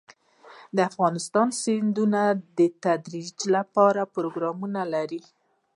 افغانستان د سیندونه د ترویج لپاره پروګرامونه لري.